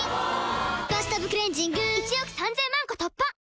「バスタブクレンジング」１億３０００万個突破！